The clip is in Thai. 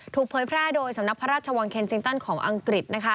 เผยแพร่โดยสำนักพระราชวังเคนจินตันของอังกฤษ